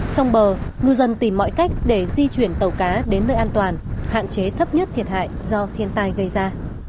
trong bờ ngư dân tìm mọi cách để di chuyển tàu cá đến nơi an toàn hạn chế thấp nhất thiệt hại do thiên tai gây ra